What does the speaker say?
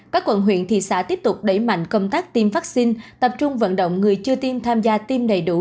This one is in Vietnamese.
các quận huyện thị xã tiếp tục đẩy mạnh công tác tiêm vaccine tập trung vận động người chưa tiêm tham gia tiêm đầy đủ